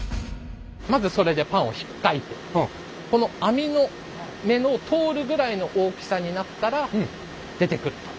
まずそれでパンをひっかいてこの網の目の通るぐらいの大きさになったら出てくると。